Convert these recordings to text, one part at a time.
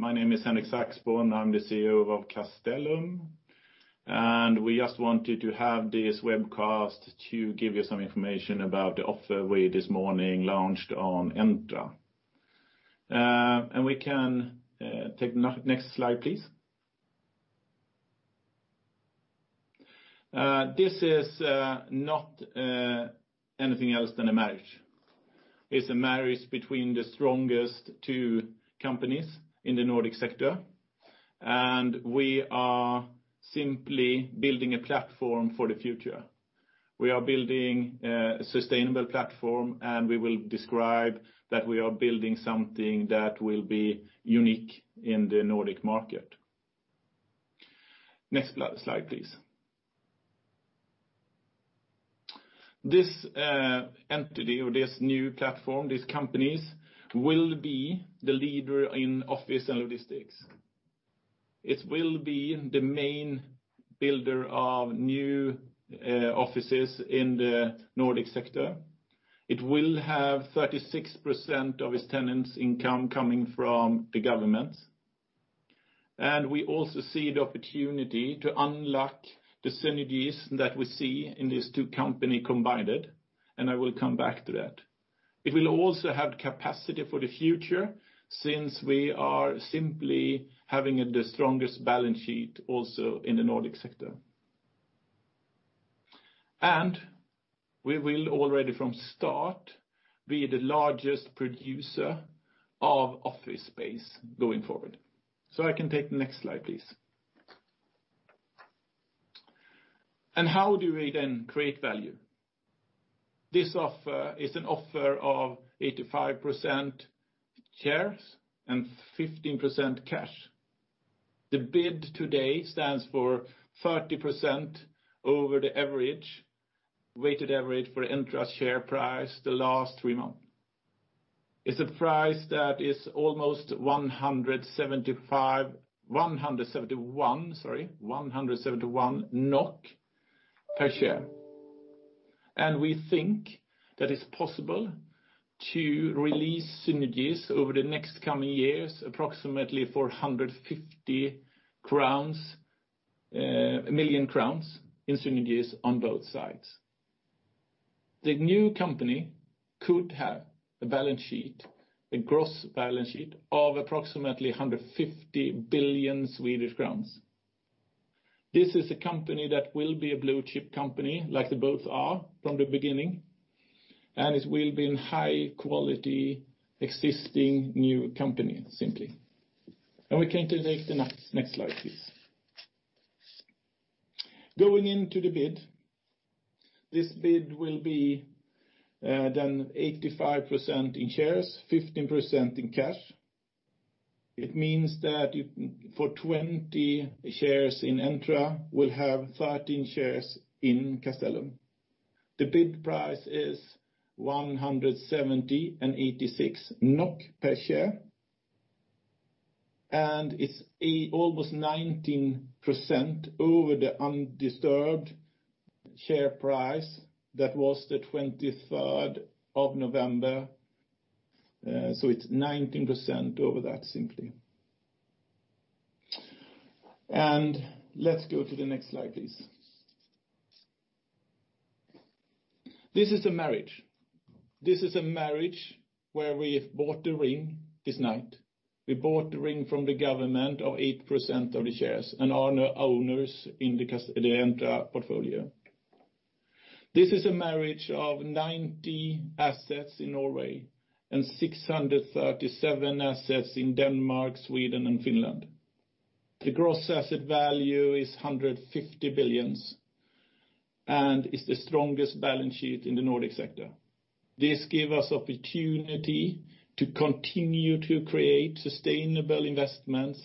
My name is Henrik Saxborn. I'm the CEO of Castellum. We just wanted to have this webcast to give you some information about the offer we this morning launched on Entra. We can take next slide, please. This is not anything else than a marriage. It's a marriage between the strongest two companies in the Nordic sector. We are simply building a platform for the future. We are building a sustainable platform. We will describe that we are building something that will be unique in the Nordic market. Next slide, please. This entity or this new platform, these companies, will be the leader in office and logistics. It will be the main builder of new offices in the Nordic sector. It will have 36% of its tenants' income coming from the government. We also see the opportunity to unlock the synergies that we see in these two company combined, and I will come back to that. It will also have capacity for the future, since we are simply having the strongest balance sheet also in the Nordic sector. We will already from start be the largest producer of office space going forward. I can take the next slide, please. How do we then create value? This offer is an offer of 85% shares and 15% cash. The bid today stands for 30% over the weighted average for Entra share price the last three months. It's a price that is almost 171 per share. We think that it's possible to release synergies over the next coming years, approximately 450 million crowns in synergies on both sides. The new company could have a gross balance sheet of approximately 150 billion Swedish crowns. This is a company that will be a blue-chip company, like they both are from the beginning, and it will be in high quality existing new company, simply. We can take the next slide, please. Going into the bid. This bid will be done 85% in shares, 15% in cash. It means that for 20 shares in Entra, we'll have 13 shares in Castellum. The bid price is 170.86 NOK per share, and it's almost 19% over the undisturbed share price that was the 23rd of November. It's 19% over that simply. Let's go to the next slide, please. This is a marriage. This is a marriage where we bought the ring this night. We bought the stake from the government of 8% of the shares and are now owners in the Entra portfolio. This is a marriage of 90 assets in Norway and 637 assets in Denmark, Sweden and Finland. The gross asset value is 150 billion and is the strongest balance sheet in the Nordic sector. This give us opportunity to continue to create sustainable investments,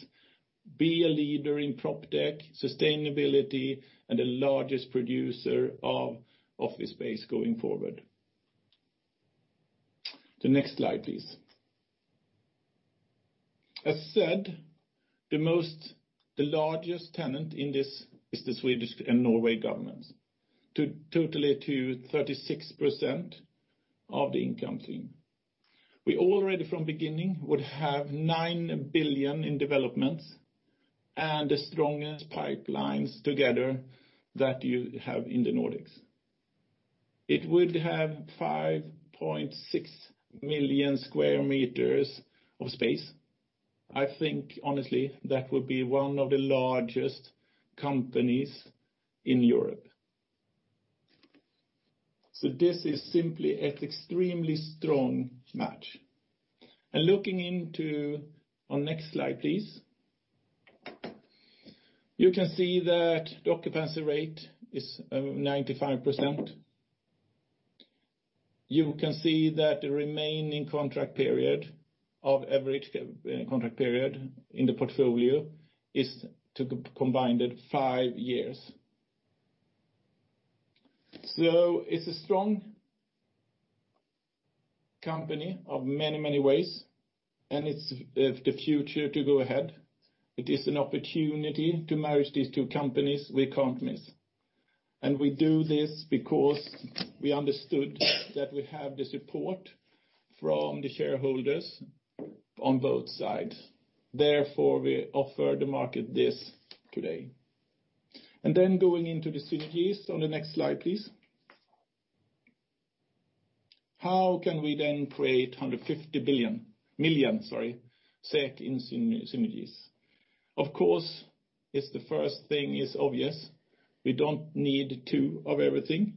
be a leader in prop-tech, sustainability and the largest producer of office space going forward. The next slide, please. As said, the largest tenant in this is the Swedish and Norway governments, totally to 36% of the income. We already from beginning would have 9 billion in developments and the strongest pipelines together that you have in the Nordics. It would have 5.6 million sq m of space. I think honestly that would be one of the largest companies in Europe. This is simply an extremely strong match. Looking into our next slide, please. You can see that the occupancy rate is 95%. You can see that the remaining contract period of average contract period in the portfolio is combined at five years. It's a strong company of many ways, and it's the future to go ahead. It is an opportunity to marriage these two companies we can't miss. We do this because we understood that we have the support from the shareholders on both sides. Therefore, we offer the market this today. Going into the synergies on the next slide, please. How can we then create 150 million in synergies? Of course, the first thing is obvious. We don't need two of everything.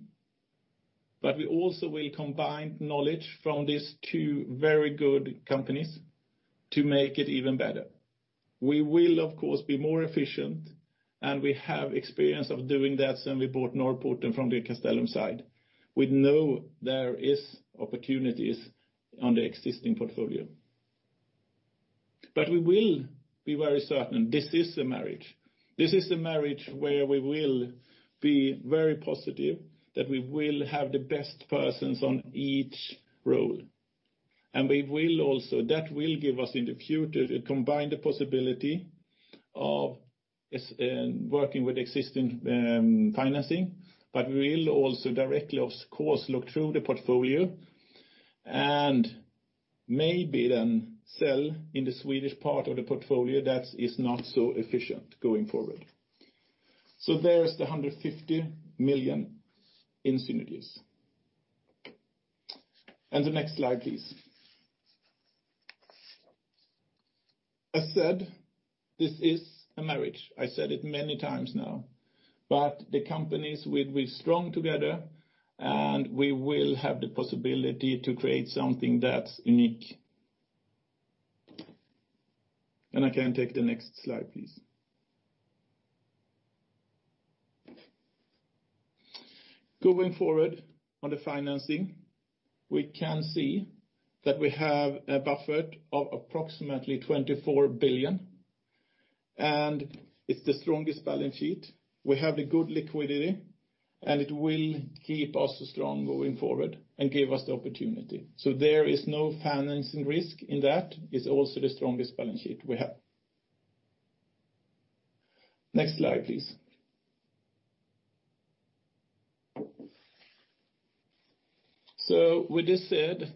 We also will combine knowledge from these two very good companies to make it even better. We will, of course, be more efficient, and we have experience of doing that since we bought Norrporten and from the Castellum side. We know there is opportunities on the existing portfolio. We will be very certain, this is a marriage. This is a marriage where we will be very positive that we will have the best persons on each role. That will give us in the future, a combined possibility of working with existing financing. We will also directly, of course, look through the portfolio, and maybe then sell in the Swedish part of the portfolio that is not so efficient going forward. There is the SEK 150 million in synergies. The next slide, please. As said, this is a marriage. I said it many times now. The companies will be strong together, and we will have the possibility to create something that's unique. I can take the next slide, please. Going forward on the financing, we can see that we have a buffer of approximately 24 billion, and it's the strongest balance sheet. We have the good liquidity, and it will keep us strong going forward and give us the opportunity. There is no financing risk in that. It's also the strongest balance sheet we have. Next slide, please. With this said,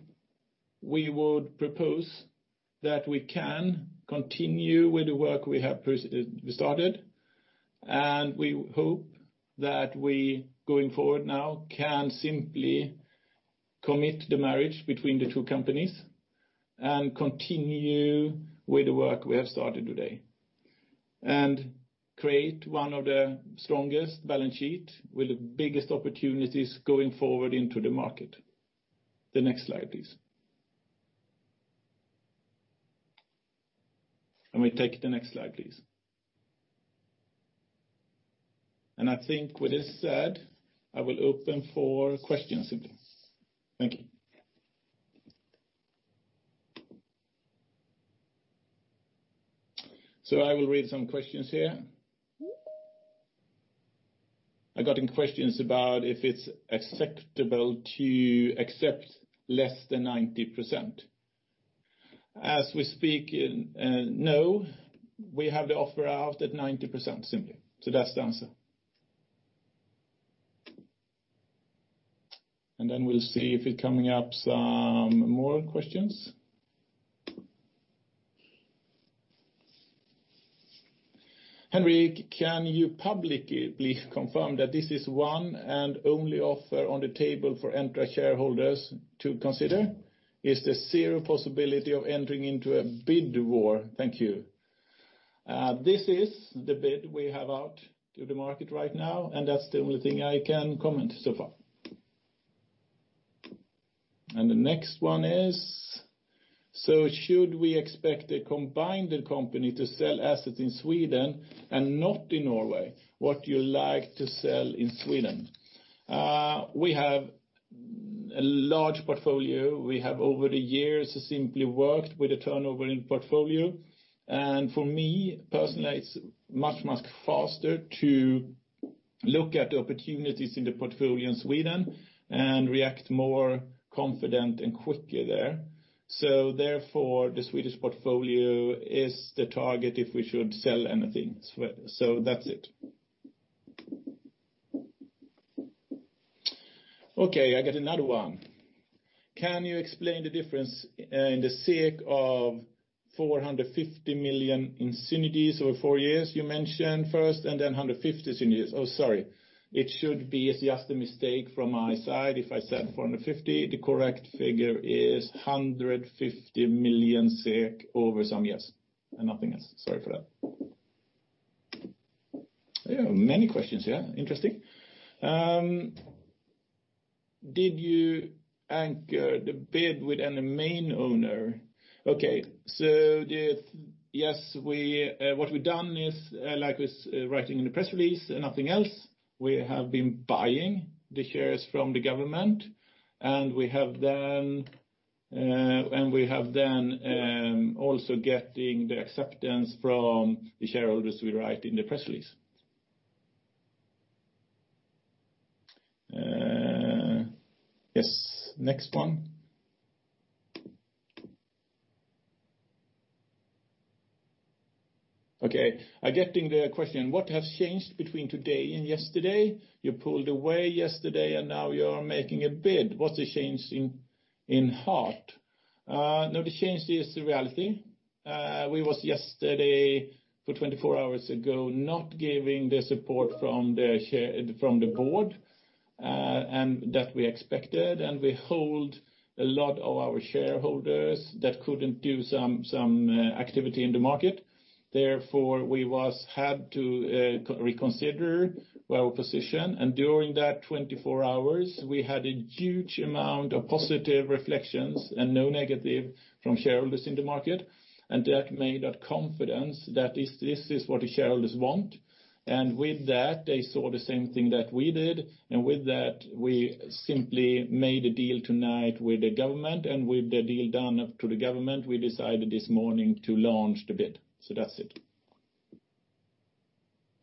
we would propose that we can continue with the work we have started, and we hope that we, going forward now, can simply commit the marriage between the two companies and continue with the work we have started today. Create one of the strongest balance sheet with the biggest opportunities going forward into the market. The next slide, please. Can we take the next slide, please? I think with this said, I will open for questions simply. Thank you. I will read some questions here. I gotten questions about if it's acceptable to accept less than 90%. As we speak, no. We have the offer out at 90% simply. That's the answer. Then we'll see if coming up some more questions. "Henrik, can you publicly confirm that this is one and only offer on the table for Entra shareholders to consider? Is there zero possibility of entering into a bid war? Thank you." This is the bid we have out to the market right now, and that's the only thing I can comment so far. The next one is, "Should we expect a combined company to sell assets in Sweden and not in Norway? What you like to sell in Sweden?" We have a large portfolio. We have over the years simply worked with the turnover in the portfolio. For me personally, it's much, much faster to look at the opportunities in the portfolio in Sweden and react more confident and quickly there. Therefore, the Swedish portfolio is the target if we should sell anything. That's it. Okay, I got another one. "Can you explain the difference in the 450 million in synergies over four years you mentioned first, and then 150 synergies?" Sorry. It's just a mistake from my side if I said 450. The correct figure is 150 million over some years, and nothing else. Sorry for that. Many questions here. Interesting. "Did you anchor the bid with any main owner?" Okay, yes. What we've done is, like was written in the press release and nothing else, we have been buying the shares from the government, and we have then also getting the acceptance from the shareholders we write in the press release. Yes. Next one. Okay. I'm getting the question, what has changed between today and yesterday? You pulled away yesterday, and now you are making a bid. What's the change in heart? No, the change is the reality. We was yesterday, for 24 hours ago, not giving the support from the board, and that we expected, and we hold a lot of our shareholders that couldn't do some activity in the market. Therefore, we had to reconsider our position, and during that 24 hours, we had a huge amount of positive reflections and no negative from shareholders in the market. That made that confidence that this is what the shareholders want. With that, they saw the same thing that we did, and with that, we simply made a deal tonight with the government, and with the deal done to the government, we decided this morning to launch the bid. That's it.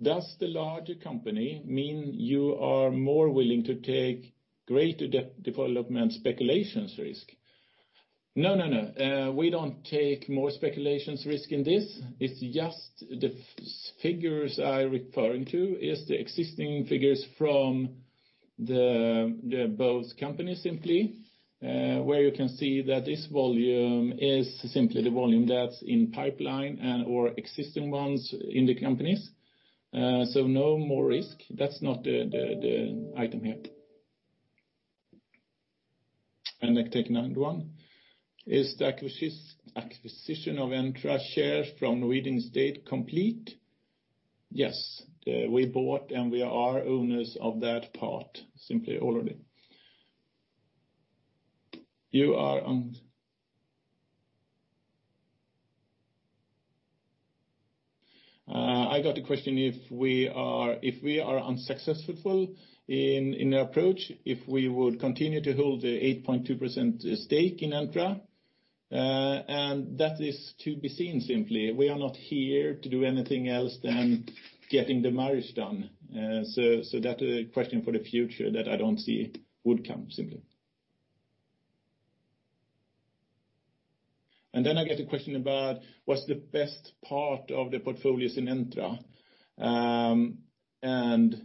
Does the larger company mean you are more willing to take greater development speculations risk? No. We don't take more speculations risk in this. The figures I'm referring to is the existing figures from both companies simply, where you can see that this volume is simply the volume that's in pipeline or existing ones in the companies. No more risk. That's not the item here. I take another one. Is the acquisition of Entra shares from Norwegian state complete? Yes. We bought, and we are owners of that part simply already. I got a question, if we are unsuccessful in our approach, if we would continue to hold the 8.2% stake in Entra. That is to be seen simply. We are not here to do anything else than getting the marriage done. That question for the future that I don't see would come simply. I get a question about what's the best part of the portfolios in Entra, and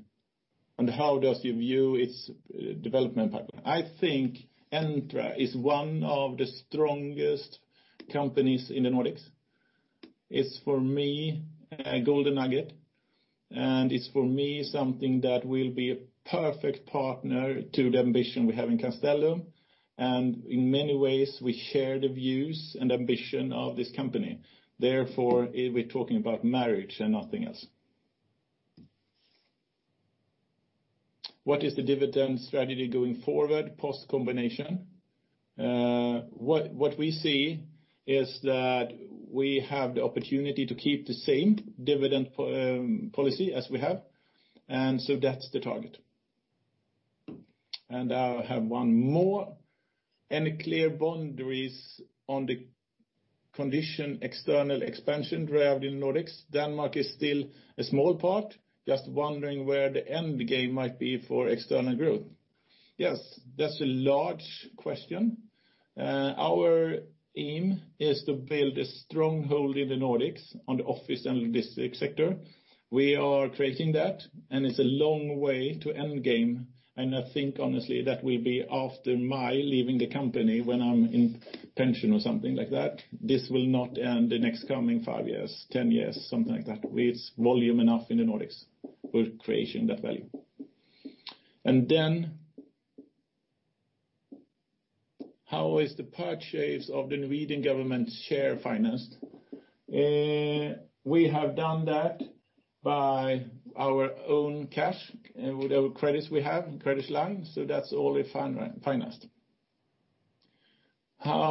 how does you view its development pipeline? I think Entra is one of the strongest companies in the Nordics. It's for me, a golden nugget, and it's for me something that will be a perfect partner to the ambition we have in Castellum. In many ways, we share the views and ambition of this company. Therefore, we're talking about marriage and nothing else. What is the dividend strategy going forward post-combination? What we see is that we have the opportunity to keep the same dividend policy as we have, and so that's the target. I have one more. Any clear boundaries on the condition external expansion throughout the Nordics? Denmark is still a small part. Just wondering where the end game might be for external growth. Yes, that's a large question. Our aim is to build a stronghold in the Nordics on the office and logistic sector. We are creating that, and it's a long way to end game. I think honestly, that will be after my leaving the company when I'm in pension or something like that. This will not end the next coming five years, 10 years, something like that. With volume enough in the Nordics, we're creating that value. How is the purchase of the Norwegian Government share financed? We have done that by our own cash, with our credits we have, credit line. That's only financed. How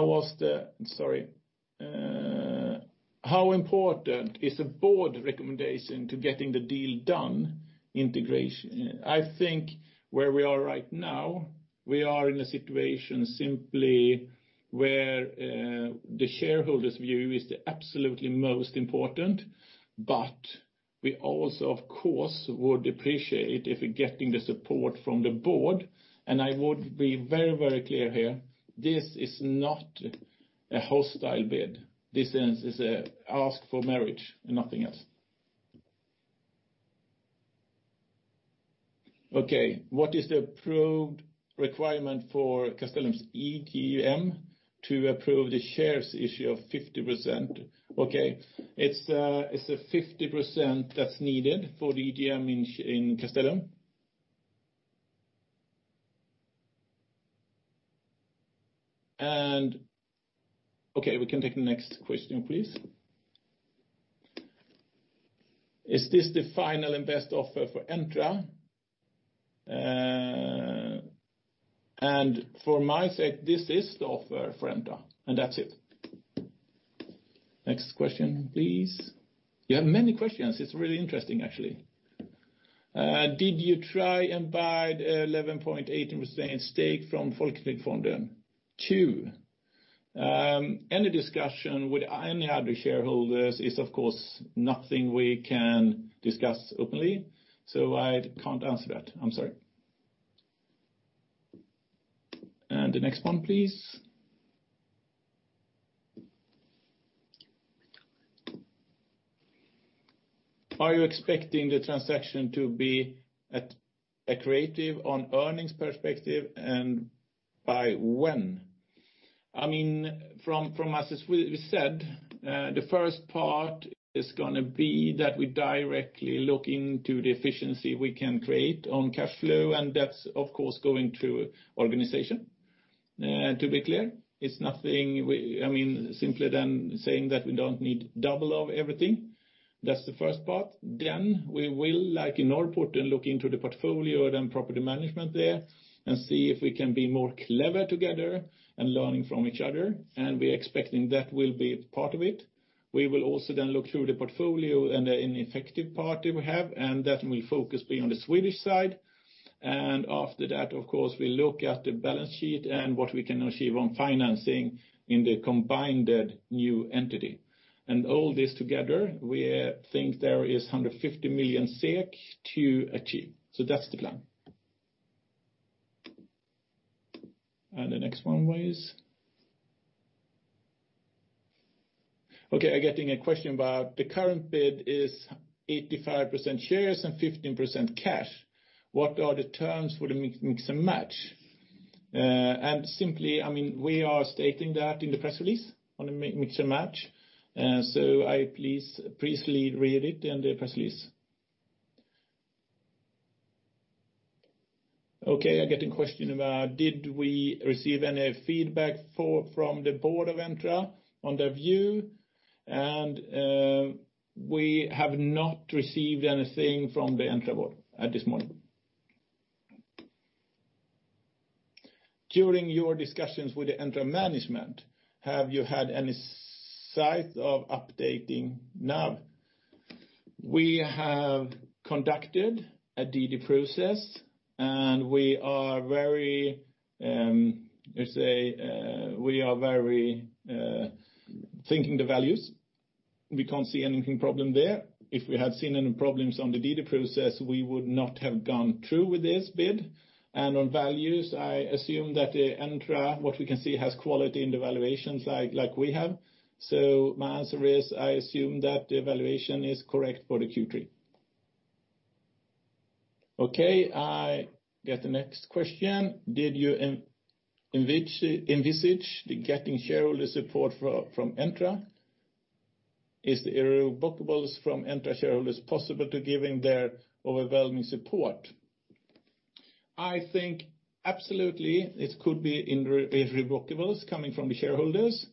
important is the board recommendation to getting the deal done integration? I think where we are right now, we are in a situation simply where the shareholders view is the absolutely most important, but we also, of course, would appreciate if we're getting the support from the board, and I would be very clear here, this is not a hostile bid. This is an ask for marriage and nothing else. What is the approved requirement for Castellum's EGM to approve the shares issue of 50%? It's a 50% that's needed for the EGM in Castellum. We can take the next question, please. Is this the final and best offer for Entra? For my sake, this is the offer for Entra, and that's it. Next question, please. You have many questions. It's really interesting, actually. Did you try and buy the 11.18% stake from Folketrygdfondet too? Any discussion with any other shareholders is, of course, nothing we can discuss openly. I can't answer that. I'm sorry. The next one, please. Are you expecting the transaction to be accretive on earnings perspective, and by when? From us, as we said, the first part is going to be that we directly look into the efficiency we can create on cash flow, and that's, of course, going through organization. To be clear, it's nothing simpler than saying that we don't need double of everything. That's the first part. We will, like in Norrporten, look into the portfolio, then property management there, and see if we can be more clever together and learning from each other. We're expecting that will be part of it. We will also then look through the portfolio and the ineffective part that we have, that will focus being on the Swedish side. After that, of course, we look at the balance sheet and what we can achieve on financing in the combined new entity. All this together, we think there is 150 million SEK to achieve. That's the plan. The next one, please. Okay, I'm getting a question about the current bid is 85% shares and 15% cash. What are the terms for the mix and match? Simply, we are stating that in the press release on the mix and match. Please read it in the press release. Okay, I get a question about did we receive any feedback from the board of Entra on their view? We have not received anything from the Entra board at this moment. During your discussions with the Entra management, have you had any sight of updating NAV? We have conducted a DD process, and we are very, let's say, thinking the values. We can't see anything problem there. If we had seen any problems on the DD process, we would not have gone through with this bid. On values, I assume that Entra, what we can see, has quality in the valuations like we have. My answer is, I assume that the valuation is correct for the Q3. Okay, I get the next question. Did you envisage the getting shareholder support from Entra? Is the irrevocables from Entra shareholders possible to giving their overwhelming support? I think absolutely it could be irrevocables coming from the shareholders,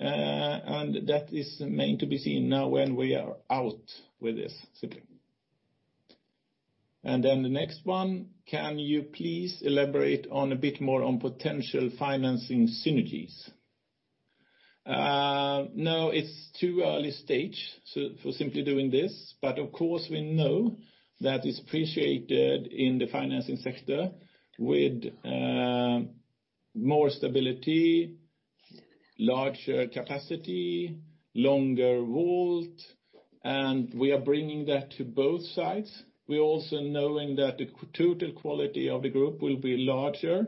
and that is meant to be seen now when we are out with this, simply. The next one, can you please elaborate on a bit more on potential financing synergies? No, it's too early stage for simply doing this. Of course, we know that it's appreciated in the financing sector with more stability, larger capacity, longer vault, and we are bringing that to both sides. We're also knowing that the total quality of the group will be larger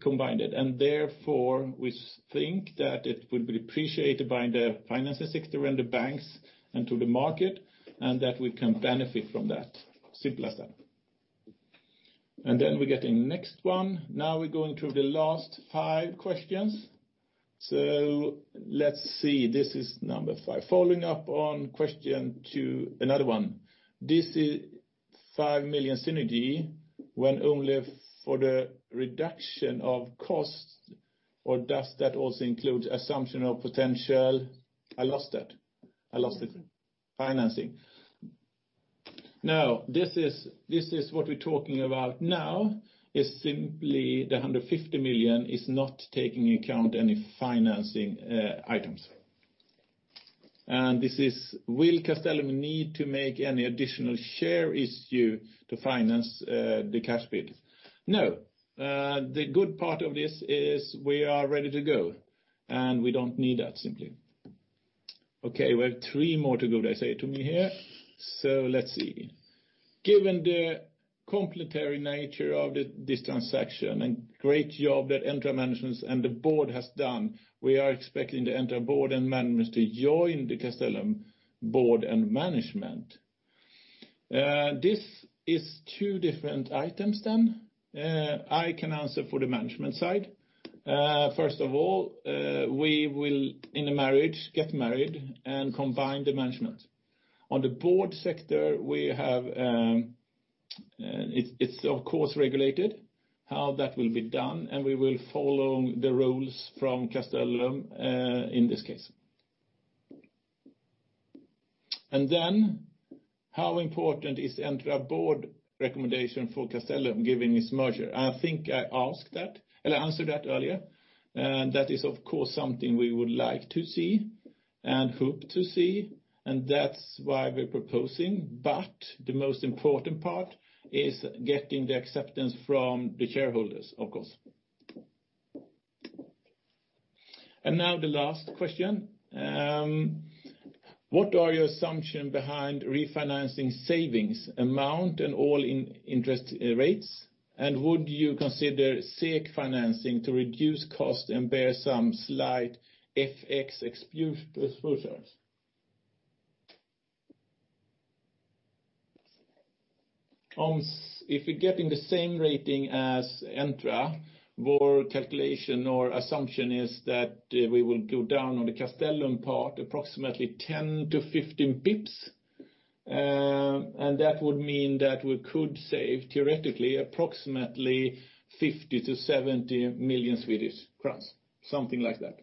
combined, and therefore we think that it will be appreciated by the financing sector and the banks and to the market, and that we can benefit from that. Simple as that. We're getting the next one. Now we're going to the last five questions. Let's see. This is number five. Following up on question to another one. This 5 million synergy went only for the reduction of costs. I lost it. I lost it. Financing. No, this is what we're talking about now, is simply the 150 million is not taking into account any financing items. Will Castellum need to make any additional share issue to finance the cash bid? No. The good part of this is we are ready to go, and we don't need that, simply. Okay, we have three more to go, they say to me here. Let's see. Given the complementary nature of this transaction and great job that Entra managements and the board has done, we are expecting the Entra board and management to join the Castellum board and management. This is two different items then. I can answer for the management side. First of all, we will, in a marriage, get married and combine the management. On the board sector, it's of course regulated how that will be done, and we will follow the rules from Castellum in this case. Then, how important is the Entra board recommendation for Castellum given this merger? I think I answered that earlier. That is, of course, something we would like to see and hope to see, and that's why we're proposing, but the most important part is getting the acceptance from the shareholders, of course. Now the last question. What are your assumption behind refinancing savings amount and all interest rates? Would you consider SEK financing to reduce cost and bear some slight FX exposures? If we're getting the same rating as Entra, our calculation or assumption is that we will go down on the Castellum part approximately 10-15 bps. That would mean that we could save, theoretically, approximately 50 million-70 million Swedish crowns, something like that.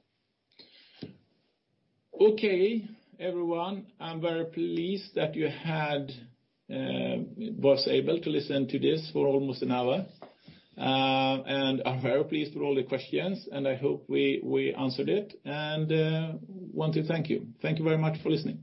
Okay, everyone, I'm very pleased that you was able to listen to this for almost an hour. I'm very pleased with all the questions. I hope we answered it. Want to thank you. Thank you very much for listening.